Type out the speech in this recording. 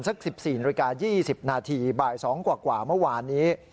สัก๑๔นาฬิกา๒๐นาทีบ่าย๒กว่าเมื่อวานนี้